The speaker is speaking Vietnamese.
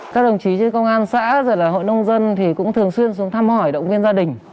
các đồng chí như công an xã rồi là hội nông dân thì cũng thường xuyên xuống thăm hỏi động viên gia đình